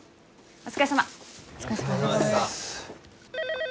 お疲れさまです。